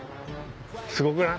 すごくない？